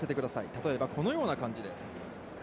例えば、このような感じです。